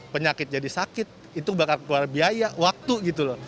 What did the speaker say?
penyakit jadi sakit itu bakal keluar biaya waktu gitu loh